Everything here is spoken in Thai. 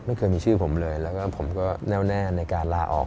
ไม่เคยมีชื่อผมเลยแล้วก็ผมก็แน่วแน่ในการลาออก